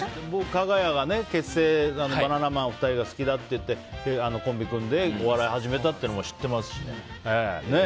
かが屋がバナナマンの２人が好きだって言ってコンビを組んでお笑い始めたっていうのも知ってますしね。